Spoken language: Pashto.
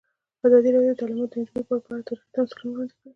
ازادي راډیو د تعلیمات د نجونو لپاره په اړه تاریخي تمثیلونه وړاندې کړي.